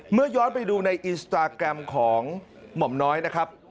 ย้อนไปดูในอินสตาแกรมของหม่อมน้อยนะครับ